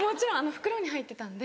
袋に入ってたんで。